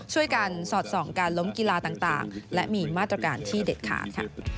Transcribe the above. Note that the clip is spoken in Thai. การสอดส่องการล้มกีฬาต่างและมีมาตรการที่เด็ดขาดค่ะ